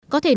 có thể nói